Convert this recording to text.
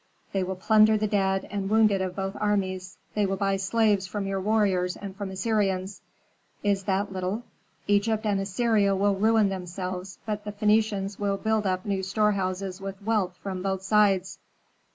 They will plunder the dead and wounded of both armies. They will buy slaves from your warriors and from the Assyrians. Is that little? Egypt and Assyria will ruin themselves, but the Phœnicians will build up new storehouses with wealth from both sides!"